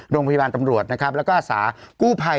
โรงพยาบาลตำรวจนะครับแล้วก็อาสากู้ภัย